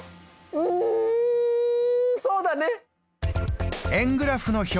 うんそうだね！